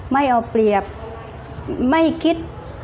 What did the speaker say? ไม่เอาเปรียบไม่คิด